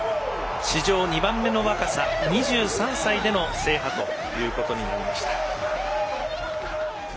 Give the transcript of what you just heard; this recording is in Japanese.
史上２番目の若さ２３歳での制覇となりました。